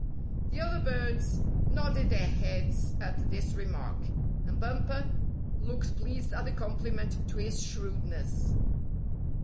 The other birds nodded their heads at this remark, and Bumper looked pleased at the compliment to his shrewdness.